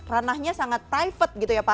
ranahnya sangat private